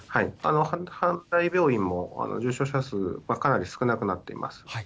阪大病院も重症者数はかなり少なくなっています。